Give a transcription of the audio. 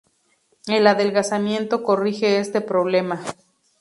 El adelgazamiento corrige este problema.